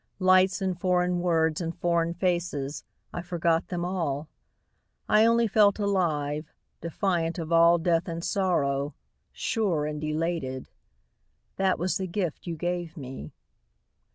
Lights and foreign words and foreign faces, I forgot them all; I only felt alive, defiant of all death and sorrow, Sure and elated. That was the gift you gave me.